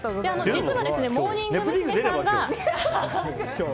実はモーニング娘。